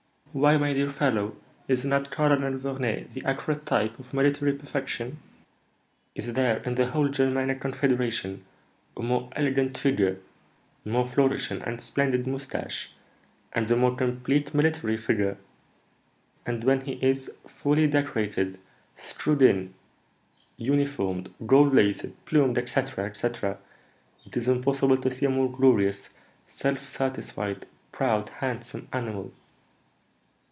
"Why, my dear fellow, is not Colonel Verner the accurate type of military perfection? Is there, in the whole Germanic confederation, a more elegant figure, more flourishing and splendid moustaches, and a more complete military figure? And when he is fully decorated, screwed in, uniformed, gold laced, plumed, etc., etc., it is impossible to see a more glorious, self satisfied, proud, handsome animal."